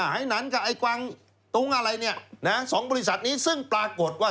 ไอ้นั้นกับไอ้กวางตุ้งอะไรเนี่ยนะ๒บริษัทนี้ซึ่งปรากฏว่า